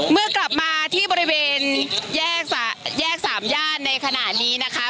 เมื่อกลับมาที่บริเวณแยกสามย่านในขณะนี้นะคะ